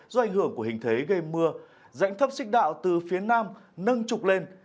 do ảnh hưởng của hình thế gây mưa rãnh thấp xích đạo từ phía nam nâng trục lên